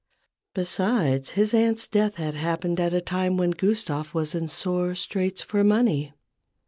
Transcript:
Besides, his aunt's death had happened at a time when Gustave was in sore straits for money.